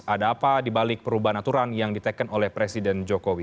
ada apa dibalik perubahan aturan yang diteken oleh presiden jokowi